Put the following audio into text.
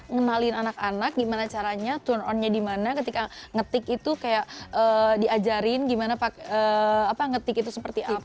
ngenalin anak anak gimana caranya turn onnya dimana ketika ngetik itu kayak diajarin gimana pakai apa ngetik itu seperti apa